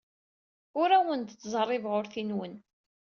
Ur awen-d-ttẓerribeɣ urti-nwen.